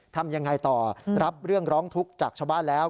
ทำยังไงต่อรับเรื่องร้องทุกข์จากชาวบ้านแล้ว